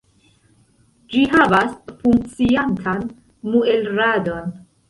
Ĝi havas funkciantan muelradon.